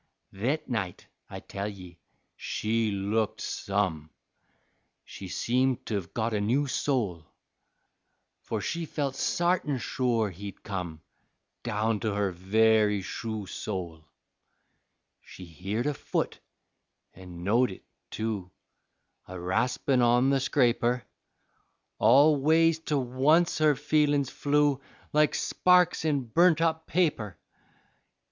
Thet night, I tell ye, she looked some! She seemed to've gut a new soul, For she felt sartin sure he'd come, Down to her very shoe sole. She heered a foot, an' knowed it, tu, A raspin' on the scraper All ways to once her feelin's flew Like sparks in burnt up paper.